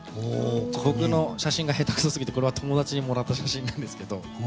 僕の写真がへたくそすぎてこれは友達にもらった写真なんですけど。